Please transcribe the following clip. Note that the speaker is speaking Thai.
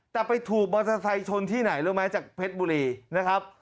แต่ไปถูกมอเตอร์ไซค์ชนที่ไหนรู้ไหมจากเพชรบุรีนะครับ